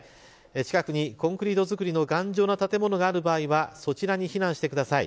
近くにコンクリート造りの頑丈な建物がある場合はそちらに避難してください。